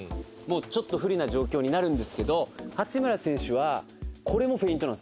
ちょっと不利な状況になるんですけど八村選手はこれもフェイントなんですよ。